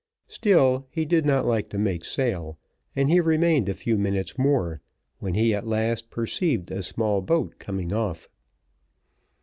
Still he did not like to make sail, and he remained a few minutes more, when he at last perceived a small boat coming off.